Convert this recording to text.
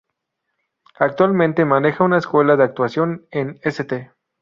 Actualmente maneja una escuela de actuación en St.